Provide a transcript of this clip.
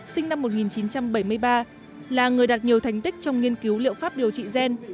sinh năm một nghìn chín trăm bảy mươi ba là người đạt nhiều thành tích trong nghiên cứu liệu pháp điều trị gen